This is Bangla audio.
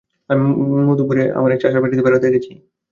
আমি মধুপুরে আমার এক চাচার বাড়িতে বেড়াতে গেছি।